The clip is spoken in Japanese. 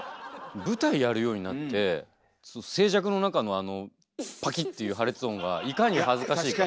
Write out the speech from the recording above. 舞台やるようになって静寂の中のあのパキッていう破裂音がいかに恥ずかしいか。